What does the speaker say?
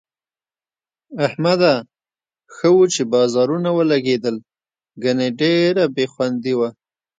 احمده! ښه وو چې بازارونه ولږېدل، گني ډېره بې خوندي وه.